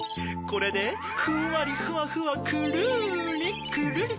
これでふんわりふわふわくるりくるり。